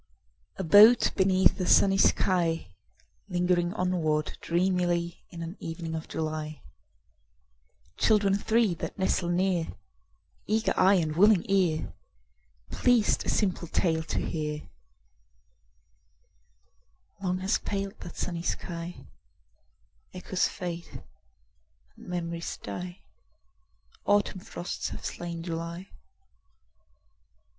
A boat beneath a sunny sky, Lingering onward dreamily In an evening of July— Children three that nestle near, Eager eye and willing ear, Pleased a simple tale to hear— Long has paled that sunny sky: Echoes fade and memories die. Autumn frosts have slain July.